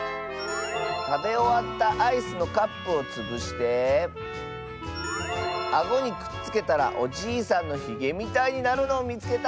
たべおわったアイスのカップをつぶしてあごにくっつけたらおじいさんのひげみたいになるのをみつけた！